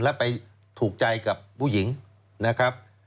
แล้วไปถูกใจกับผู้หญิงนะครับ